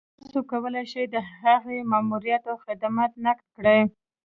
تاسو کولای شئ د هغې ماموريت او خدمات نقد کړئ.